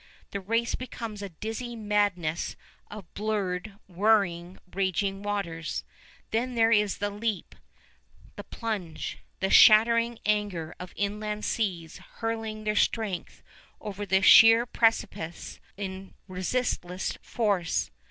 The race becomes a dizzy madness of blurred, whirling, raging waters. Then there is the leap, the plunge, the shattering anger of inland seas hurling their strength over the sheer precipice in resistless force.